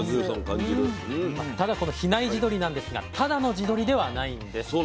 ただこの比内地鶏なんですがただの地鶏ではないんです。